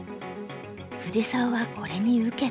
藤沢はこれに受けた。